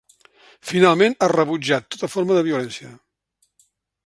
Finalment, ha rebutjat tota forma de violència.